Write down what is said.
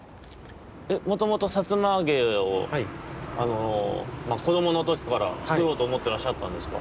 もともとさつまあげをあのこどものときからつくろうとおもってらっしゃったんですか？